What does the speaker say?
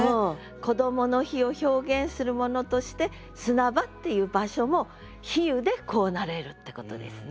「こどもの日」を表現するものとして砂場っていう場所も比喩でこうなれるってことですね。